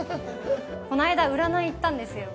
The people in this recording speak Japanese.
この間、占い行ったんですよ。